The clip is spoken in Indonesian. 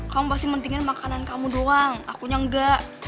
kamu pasti mentingin makanan kamu doang akunya engga